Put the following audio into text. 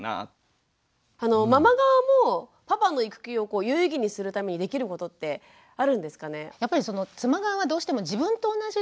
ママ側もパパの育休を有意義にするためにできることってあるんですかね？